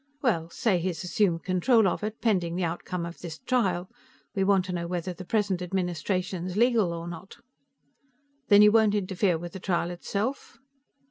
"Well, say he's assumed control of it, pending the outcome of this trial. We want to know whether the present administration's legal or not." "Then you won't interfere with the trial itself?"